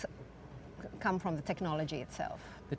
dari teknologi sendiri